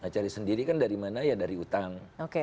cari sendiri kan dari mana ya dari utang